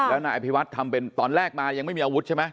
แล้วนายอภิวัตทำเป็นตอนแรกมายังไม่มีอาวุธใช่ไหม